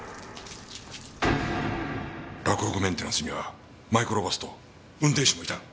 洛北メンテナンスにはマイクロバスと運転手もいたな。